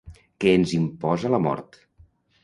Que ens imposa la mort.